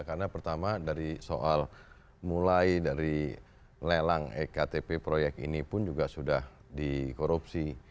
karena pertama dari soal mulai dari lelang ektp proyek ini pun juga sudah dikorupsi